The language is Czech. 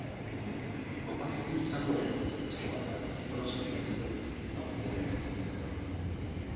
Opatství samo je turistickou atrakcí pro svůj historický a umělecký význam.